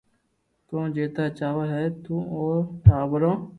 ڪو جيتا چاور ھي تو او ٽاٻرو